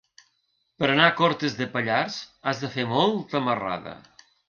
Per anar a Cortes de Pallars has de fer molta marrada.